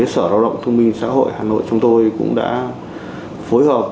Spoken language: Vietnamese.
sở lao động thương minh xã hội hà nội chúng tôi cũng đã phối hợp